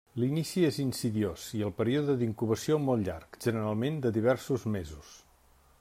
L'inici és insidiós i el període d'incubació molt llarg, generalment de diversos mesos.